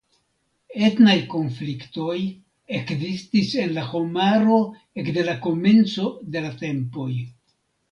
Etnaj konfliktoj ekzistis en la homaro ekde la komenco de la tempoj.